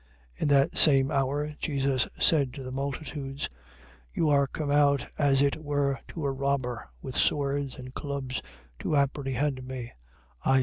26:55. In that same hour, Jesus said to the multitudes: You are come out, as it were to a robber, with swords and clubs to apprehend me.